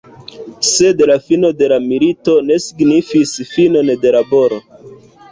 Sed la fino de la milito ne signifis finon de laboro.